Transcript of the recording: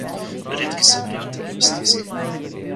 Redki so prijatelji v stiski.